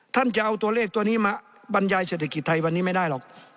จะเอาตัวเลขตัวนี้มาบรรยายเศรษฐกิจไทยวันนี้ไม่ได้หรอก